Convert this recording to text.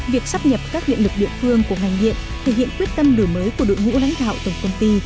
việc xác nhập các điện lực địa phương của hành viện thể hiện quyết tâm đổi mới của đội ngũ lãnh đạo tổng công ty